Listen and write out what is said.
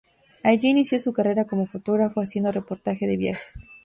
Allí inició su carrera como fotógrafo haciendo reportajes de viajes.